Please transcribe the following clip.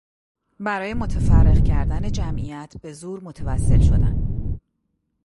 برای متفرق کردن جمعیت به زور متوسل شدن